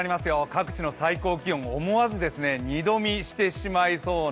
各地の最高気温を思わず二度見してしまいそうな